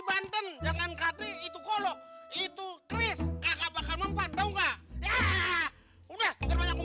banten jangan kaki itu kalau itu kris kagak bakal mempandang enggak ya udah